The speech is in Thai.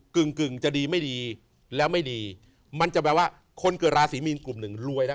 ึ่งกึ่งจะดีไม่ดีแล้วไม่ดีมันจะแปลว่าคนเกิดราศีมีนกลุ่มหนึ่งรวยแล้ว